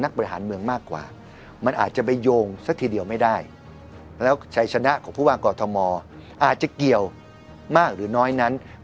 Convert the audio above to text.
บริหารเมืองมากกว่ามันอาจจะไปโยงซะทีเดียวไม่ได้แล้วชัยชนะของผู้ว่ากอทมอาจจะเกี่ยวมากหรือน้อยนั้น